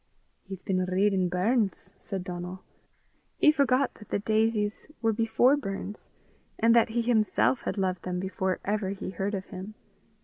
"He's been readin' Burns!" said Donal. He forgot that the daisies were before Burns, and that he himself had loved them before ever he heard of him.